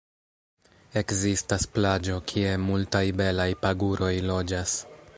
Ekzistas plaĝo kie multaj belaj paguroj loĝas.